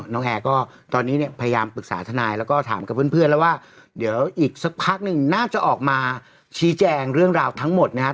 แอร์ก็ตอนนี้เนี่ยพยายามปรึกษาทนายแล้วก็ถามกับเพื่อนแล้วว่าเดี๋ยวอีกสักพักหนึ่งน่าจะออกมาชี้แจงเรื่องราวทั้งหมดนะครับ